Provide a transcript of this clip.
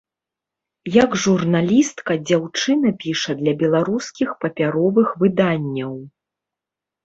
Як журналістка дзяўчына піша для беларускіх папяровых выданняў.